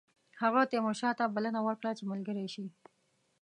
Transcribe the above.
هغه تیمورشاه ته بلنه ورکړه چې ملګری شي.